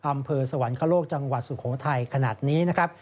อำเภอสวรรคโลกจังหวัดสุโขทัยขนาดนี้นะครับ